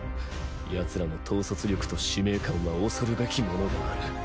ヤツらの統率力と使命感は恐るべきものがある。